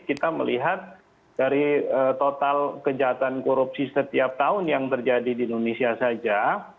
kita melihat dari total kejahatan korupsi setiap tahun yang terjadi di indonesia saja